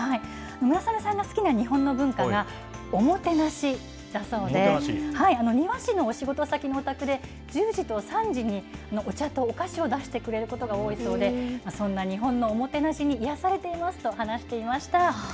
村雨さんが好きな日本の文化がおもてなしだそうで、庭師のお仕事先のお宅で、１０時と３時にお茶とお菓子を出してくれることが多いそうで、そんな日本のおもてなしに癒やされていますと話していました。